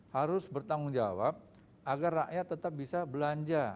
harus bertanggung jawab agar rakyat tetap bisa belanja